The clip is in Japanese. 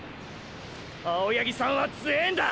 青八木さんは強えんだ！！